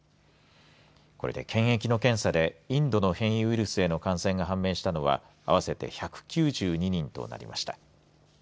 これで検疫の検査でインドの変異ウイルスへの感染が判明したのは合わせて１９２人となりました。